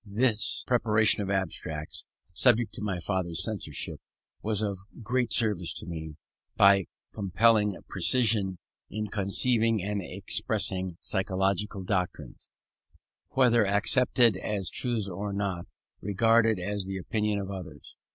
This preparation of abstracts, subject to my father's censorship, was of great service to me, by compelling precision in conceiving and expressing psychological doctrines, whether accepted as truths or only regarded as the opinion of others.